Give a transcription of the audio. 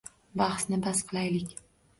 Bahsni bas qilaylik